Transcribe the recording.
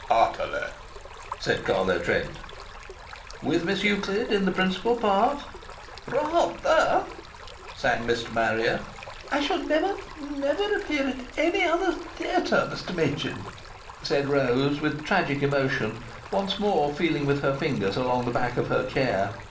"Utterly," said Carlo Trent. "With Miss Euclid in the principal part?" "Rather!" sang Mr. Marrier. "Rather!" "I shall never, never appear at any other theatre, Mr. Machin!" said Rose, with tragic emotion, once more feeling with her fingers along the back of her chair.